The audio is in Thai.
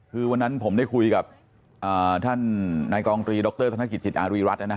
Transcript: คือวันนั้นผมได้คุยกับท่านนายกองตรีดรธนกิจจิตอารีรัฐนะ